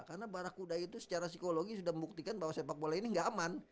karena barah kuda itu secara psikologi sudah membuktikan bahwa sepak bola ini gak aman